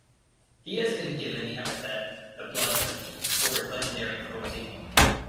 He has been given the epithet "The bloodthirsty" for his legendary cruelty.